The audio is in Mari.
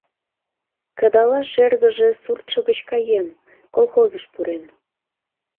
Кыдалаш эргыже суртшо гыч каен, колхозыш пурен.